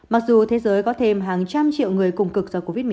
mặc dù thế giới có thêm hàng trăm triệu người cùng cực do covid một mươi chín